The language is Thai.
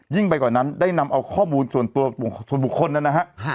ไปกว่านั้นได้นำเอาข้อมูลส่วนตัวส่วนบุคคลนะฮะ